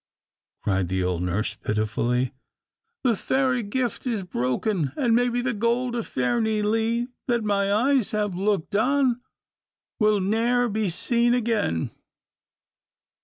cried the old nurse pitifully. "The fairy gift is broken, and maybe the Gold of Fairnilee, that my eyes have looked on, will ne'er be seen again."